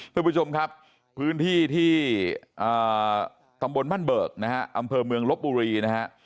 คุณผู้ชมครับพื้นที่ที่ตำบลบ้านเบิกนะฮะอำเภอเมืองลบบุรีนะฮะ